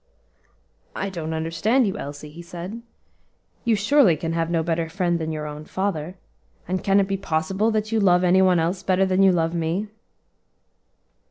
"I don't understand you, Elsie," he said; "you surely can have no better friend than your own father; and can it be possible that you love any one else better than you love me?"